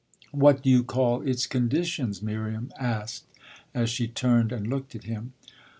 "What do you call its conditions?" Miriam asked as she turned and looked at him.